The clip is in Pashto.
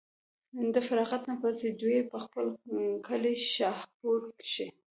د فراغت نه پس دوي پۀ خپل کلي شاهپور کښې